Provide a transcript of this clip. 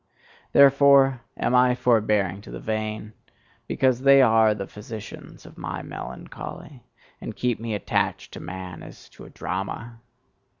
Therefore am I forbearing to the vain, because they are the physicians of my melancholy, and keep me attached to man as to a drama.